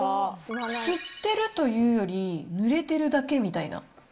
吸ってるというより、ぬれてるだけみたいな。